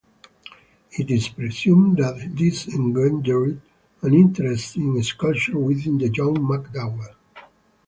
It is presumed that this engendered an interest in sculpture within the young MacDowell.